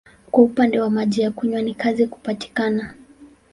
Kwa upande wa maji ya kunywa ni kazi kupatikana.